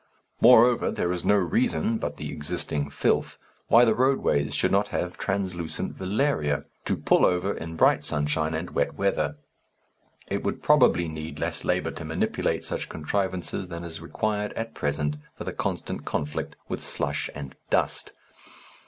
Moreover, there is no reason but the existing filth why the roadways should not have translucent velaria to pull over in bright sunshine and wet weather. It would probably need less labour to manipulate such contrivances than is required at present for the constant conflict with slush and dust.